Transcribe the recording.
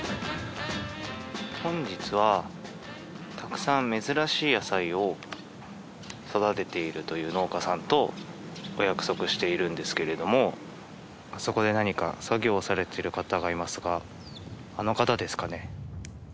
本日はたくさん珍しい野菜を育てているという農家さんとお約束しているんですけれどもあそこで何か作業されている方がいますがあの方ですかね？